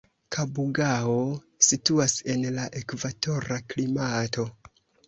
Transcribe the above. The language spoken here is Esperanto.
Kabugao situas en la ekvatora klimato.